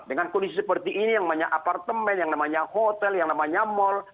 dengan kondisi seperti ini yang namanya apartemen yang namanya hotel yang namanya mal